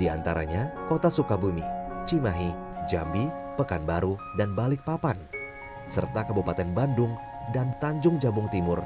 di antaranya kota sukabumi cimahi jambi pekanbaru dan balikpapan serta kabupaten bandung dan tanjung jabung timur